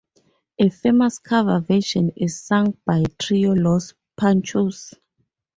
A famous cover version is sung by Trio Los Panchos.